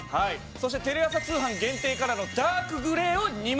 そしてテレ朝通販限定カラーのダークグレーを２枚。